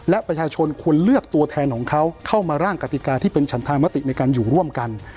และประชาชนควรเลือกตัวแทนของเขาเข้ามาร่างกติกาที่เป็นฉันธามติในการอยู่ร่วมกัน